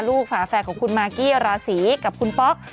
ฝาแฝดของคุณมากกี้ราศีกับคุณป๊อก